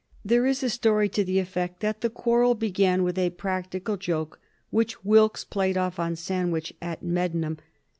There is a story to the effect that the quarrel began with a practical joke which Wilkes played off on Sandwich at Medmenham.